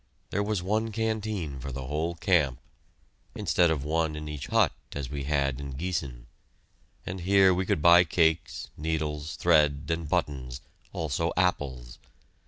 There was one canteen for the whole camp (instead of one in each hut as we had in Giessen), and here we could buy cakes, needles, thread, and buttons, also apples.